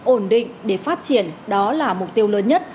ổn định để phát triển đó là mục tiêu lớn nhất